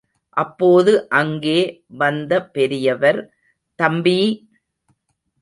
அப்போது அங்கே வந்த பெரியவர், தம்பீ!